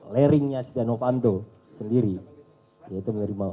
laringnya setia novanto sendiri